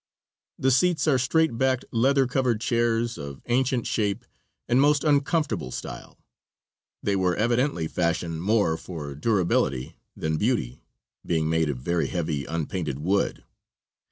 The seats are straight backed, leather covered chairs of ancient shape and most uncomfortable style. They were evidently fashioned more for durability than beauty, being made of very heavy, unpainted wood.